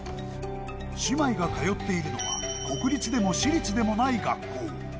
姉妹が通っているのは、国立でも私立でもない学校。